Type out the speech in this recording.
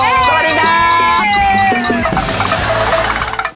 สวัสดีครับ